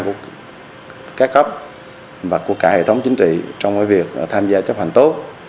của các cấp và của cả hệ thống chính trị trong việc tham gia chấp hành tốt